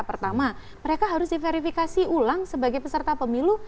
pertama mereka harus diverifikasi ulang sebagai peserta pemilu